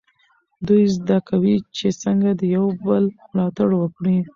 دوی زده کوي چې څنګه د یو بل ملاتړ وکړي.